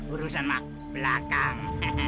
urusan mak belakang